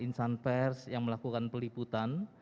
insan pers yang melakukan peliputan